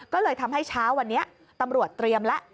ก็เลยทำให้เช้าวันนี้ตำรวจเตรียมแล้ว